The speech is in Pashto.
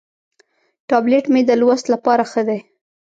ټابلیټ مې د لوست لپاره ښه دی.